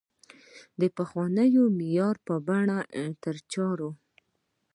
د پخوانۍ معمارۍ په بڼه یې چارې تر